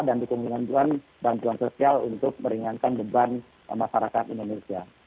dan dukungan dan bantuan sosial untuk meringankan beban masyarakat indonesia